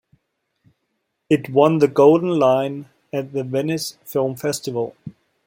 It won the Golden Lion at the Venice Film Festival.